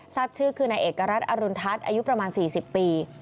ทราบชื่อคือนายเอกรัฐอรุณทัศน์อายุประมาณ๔๐ปี